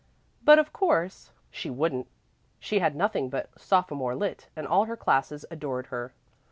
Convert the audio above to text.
But of course she wouldn't; she had nothing but sophomore lit., and all her classes adored her.